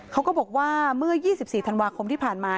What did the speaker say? เขาก็บอกว่าเมื่อ๒๔ธันวาคมที่ผ่านมา